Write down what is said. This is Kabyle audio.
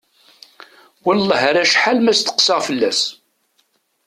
Wellah ar acḥal ma steqsaɣ fell-as.